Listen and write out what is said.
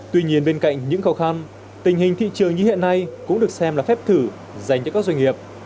tuy nhiên bên cạnh những khó khăn tình hình thị trường như hiện nay cũng được xem là phép thử dành cho các doanh nghiệp